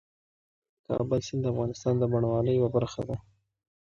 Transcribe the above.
د کابل سیند د افغانستان د بڼوالۍ یوه برخه ده.